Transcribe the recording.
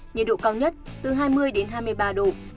nhiệt độ cao nhất từ hai mươi đến hai mươi ba độ